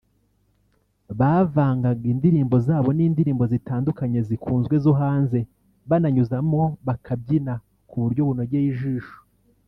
Bavangaga indirimbo zabo n’indirimbo zitandukanye zikunzwe zo hanze bananyuzamo bakabyina ku buryo bunogeye ijisho